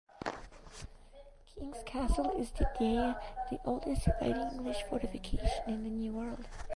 King's Castle is, today, the oldest surviving English fortification in the New World.